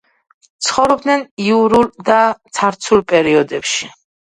ცხოვრობდნენ იურულ და ცარცულ პერიოდებში.